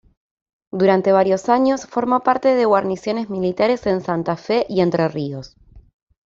Durante varios años formó parte de guarniciones militares en Santa Fe y Entre Ríos.